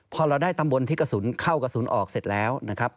พอเราได้ตำบลที่กระสุนเข้ากระสุนออกเสร็จแล้วนะครับ